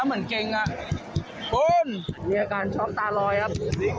ผู้หญิงหนึ่งลายนะครับ